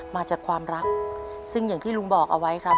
มาจากความรักซึ่งอย่างที่ลุงบอกเอาไว้ครับ